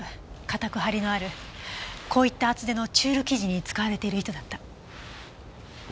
硬くハリのあるこういった厚手のチュール生地に使われている糸だった。